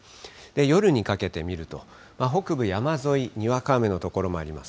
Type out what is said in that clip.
夜にかけて見ると、北部、山沿い、にわか雨の所あります。